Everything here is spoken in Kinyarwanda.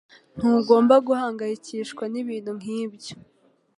Ntugomba guhangayikishwa nibintu nkibyo.